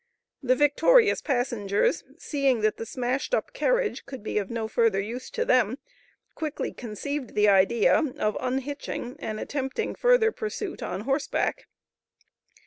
The victorious passengers, seeing that the smashed up carriage could be of no further use to them, quickly conceived the idea of unhitching and attempting further pursuit on horseback.